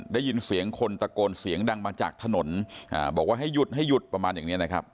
ได้ยินเสียงคนตะโกนเสียงดังมาจากถนนบอกว่าให้หยุดให้หยุดประมาณอย่างนี้นะครับ